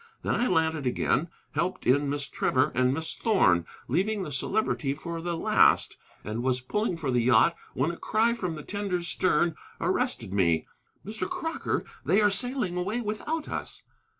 Then I landed again, helped in Miss Trevor and Miss Thorn, leaving the Celebrity for the last, and was pulling for the yacht when a cry from the tender's stern arrested me. "Mr. Crocker, they are sailing away without us!"